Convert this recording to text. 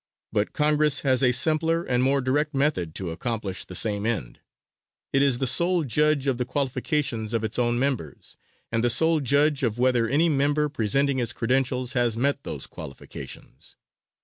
But Congress has a simpler and more direct method to accomplish the same end. It is the sole judge of the qualifications of its own members, and the sole judge of whether any member presenting his credentials has met those qualifications.